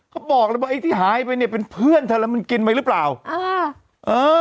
เขาบอกแล้วบอกไอ้ที่หายไปเนี่ยเป็นเพื่อนเธอแล้วมันกินไปหรือเปล่าเออ